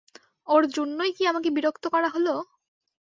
ওর জন্যই কি আমাকে বিরক্ত করা হল?